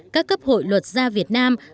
các cấp hội luật gia việt nam